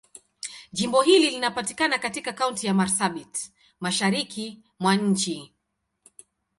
Jimbo hili linapatikana katika Kaunti ya Marsabit, Mashariki mwa nchi.